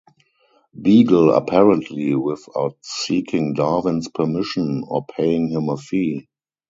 Beagle apparently without seeking Darwin's permission or paying him a fee.